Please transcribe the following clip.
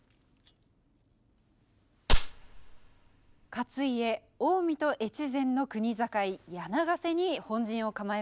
勝家近江と越前の国境柳ヶ瀬に本陣を構えました。